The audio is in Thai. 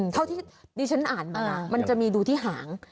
เท่าที่ดิฉันอ่านมานะมันจะมีดูที่หาง